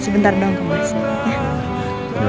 sebentar dong kamu